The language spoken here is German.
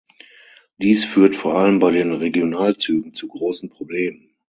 Dies führt vor allem bei den Regionalzügen zu grossen Problemen.